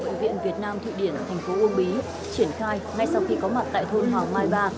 bệnh viện việt nam thụy điển thành phố uông bí triển khai ngay sau khi có mặt tại thôn hoàng mai ba